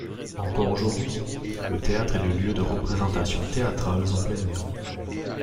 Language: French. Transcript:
Encore aujourd'hui, le théâtre est le lieu de représentations théâtrales en plein air.